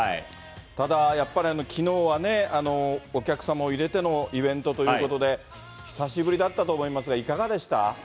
ただやっぱり、きのうはね、お客様を入れてのイベントということで、久しぶりだったと思いますが、いかがでした？